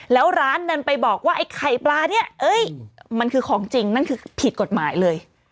แล้วร้านนั้นไปบอกว่าไอ้ไข่ปลาเนี่ยมันคือของจริงนั่นคือผิดกฎหมายเลย